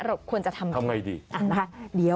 เราควรจะทำดี